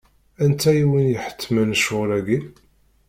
Anta i wen-iḥettmen ccɣel-agi?